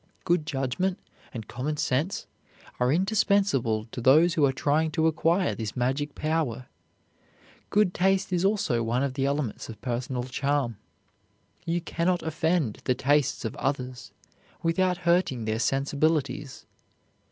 Good judgment and common sense are indispensable to those who are trying to acquire this magic power. Good taste is also one of the elements of personal charm. You can not offend the tastes of others without hurting their sensibilities.